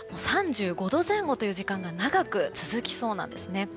３５度前後という時間が長く続きそうです。